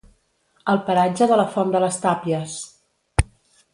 El paratge de la Font de les Tàpies.